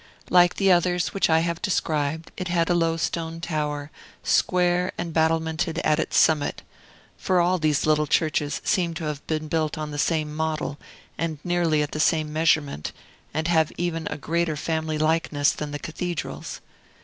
Like the others which I have described, it had a low stone tower, square, and battlemented at its summit: for all these little churches seem to have been built on the same model, and nearly at the same measurement, and have even a greater family likeness than the cathedrals.